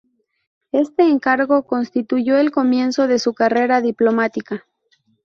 Este encargo constituyó el comienzo de su carrera diplomática.